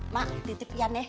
mak titip pian ya